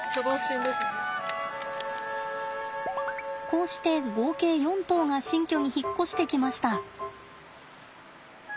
こうして合計４頭が新居に引っ越してきました。